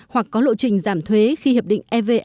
hoặc có lộ trình giảm thuế khi hiệp định evfta